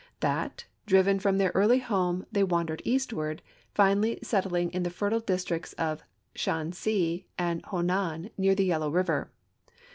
That, driven from their early home, they wandered eastward, finally settling in the fertile districts of Shansi and Honan, near the Yellow river.